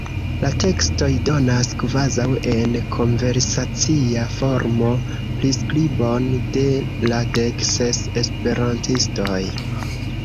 La tekstoj donas, kvazaŭ en konversacia formo, priskribon de la dek ses esperantistoj.